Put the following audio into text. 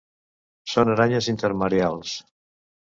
Són aranyes intermareals.